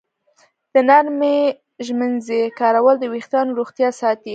د نرمې ږمنځې کارول د ویښتانو روغتیا ساتي.